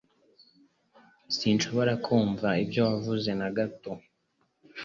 Sinshobora kumva ibyo wavuze na gato.